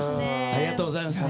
ありがとうございます